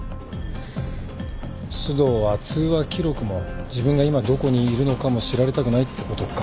須藤は通話記録も自分が今どこにいるのかも知られたくないってことか。